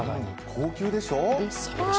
高級でしょう？